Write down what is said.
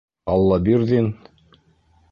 Аллабирҙин?